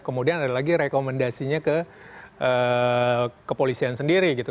kemudian ada lagi rekomendasinya ke kepolisian sendiri gitu